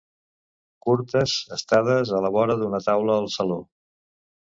Curtes estades a la vora d’una taula al saló.